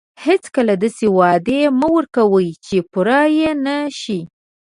هیڅکله داسې وعدې مه ورکوئ چې پوره یې نه شئ.